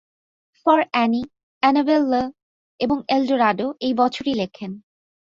For Annie, Annabel Lee এবং Eldorado এই বছরই লেখেন।